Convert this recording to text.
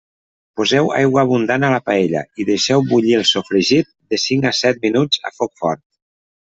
Poseu aigua abundant a la paella i deixeu bullir el sofregit de cinc a set minuts a foc fort.